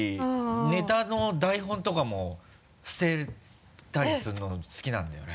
ネタの台本とかも捨てたりするの好きなんだよね。